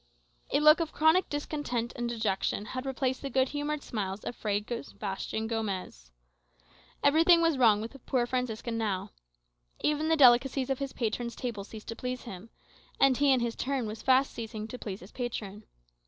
A look of chronic discontent and dejection had replaced the good humoured smiles of Fray Sebastian Gomez. Everything was wrong with the poor Franciscan now. Even the delicacies of his patron's table ceased to please him; and he, in his turn, was fast ceasing to please his patron.